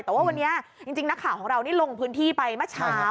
แต่ว่าวันนี้จริงนักข่าวของเรานี่ลงพื้นที่ไปเมื่อเช้า